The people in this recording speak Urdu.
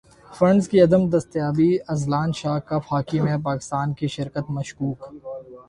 فنڈز کی عدم دستیابی اذلان شاہ کپ ہاکی میں پاکستان کی شرکت مشکوک